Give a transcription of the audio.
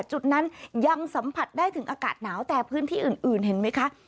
จุดนั้นยังสัมผัสได้ถึงอากาศหนาวแต่พื้นที่อื่นเห็นไหมคะ